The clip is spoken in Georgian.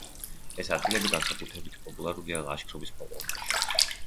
ეს ადგილები განსაკუთრებით პოპულარულია ლაშქრობის მოყვარულთა შორის.